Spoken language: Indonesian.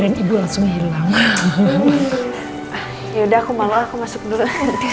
yaudah aku malah aku masuk dulu